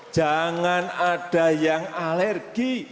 jangan ada yang alergi